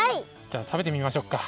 じゃあたべてみましょうか。